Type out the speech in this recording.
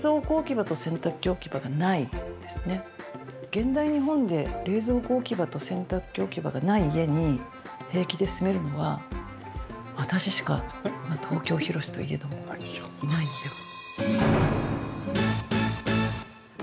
現代日本で冷蔵庫置き場と洗濯機置き場がない家に平気で住めるのは私しか東京広しといえどもいないのでは。